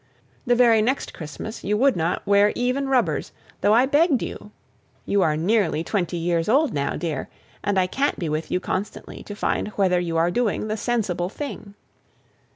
The very next Christmas you would not wear even rubbers, though I begged you. You are nearly twenty years old now, dear, and I can't be with you constantly to find whether you are doing the sensible thing.